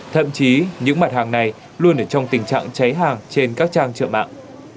thậm chí những mặt hàng này luôn ở trong tình trạng cháy hàng trên các trang trợ mạng